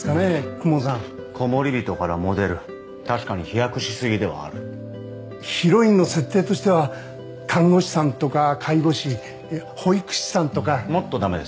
公文さんコモリビトからモデル確かに飛躍しすぎではあるヒロインの設定としては看護師さんとか介護士保育士さんとかもっとダメです